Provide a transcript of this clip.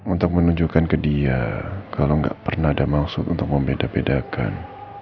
untuk menunjukkan ke dia kalau nggak pernah ada maksud untuk membeda bedakan